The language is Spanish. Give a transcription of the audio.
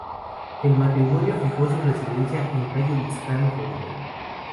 El matrimonio fijó su residencia en Cayo Vizcaíno, Florida.